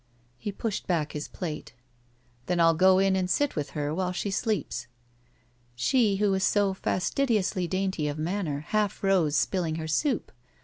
He pushed back his plate. "Then I'll go in and sit with her while she sleeps." She, who was so fastidiously dainty of manner, half rose, spilling her soup.